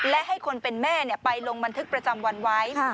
และให้คนเป็นแม่ไปลงบันทึกประจำวันไว้